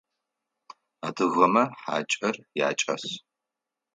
Адыгэмэ хьакIэр якIас.